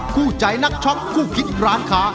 คู่ใจนักช็อคคู่คิดร้านค้า